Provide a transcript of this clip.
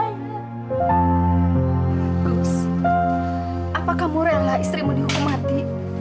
gus apakah kamu rela istrimu dihukum mati